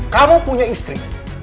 kamu punya istri